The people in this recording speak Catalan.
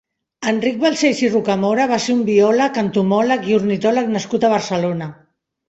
Enric Balcells i Rocamora va ser un biòleg, entomòleg i ornitòleg nascut a Barcelona.